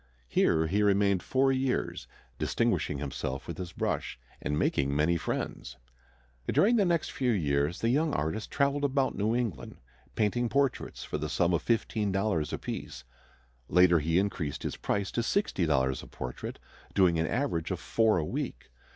Here he remained four years, distinguishing himself with his brush and making many friends. During the next few years the young artist traveled about New England, painting portraits for the sum of $15 apiece. Later he increased his price to $60 a portrait, doing an average of four a week.